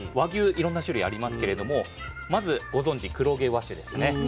いろんな種類ありますけれどもまずご存じ黒毛和種ですね。